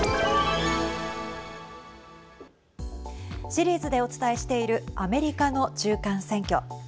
シリーズでお伝えしているアメリカの中間選挙。